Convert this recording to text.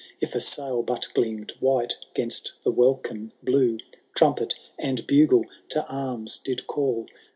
If a sail but gleam*d white 'gainst the welkin blue. Trumpet and bugle to arms did call.